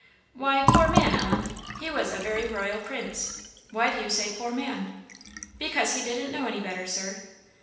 "Why 'poor man,' Ellen? he was a very royal prince; why do you say 'poor man?' " "Because he didn't know any better, Sir."